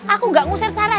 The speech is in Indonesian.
aku gak ngusir sarah